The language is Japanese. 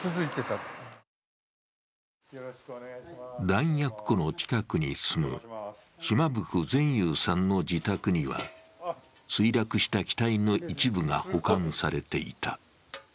弾薬庫の近くに住む、島袋善祐さんの自宅には墜落した機体の一部が保管されていた。